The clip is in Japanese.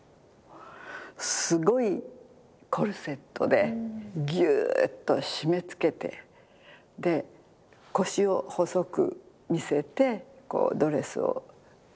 すごいコルセットでギューッと締めつけてで腰を細く見せてこうドレスを際立たせるっていう。